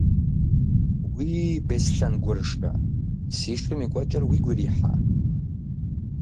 Уий, Беслъэн гурышэ, си шым и кӀуэкӀэр уигу ирихьа?